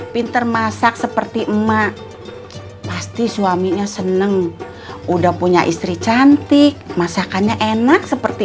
pinter masak seperti emak pasti suaminya seneng udah punya istri cantik masakannya enak seperti